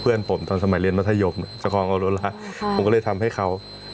เพื่อนผมตอนสมัยเรียนมัธยมสกอร์เขาโดนแล้วผมก็เลยทำให้เขา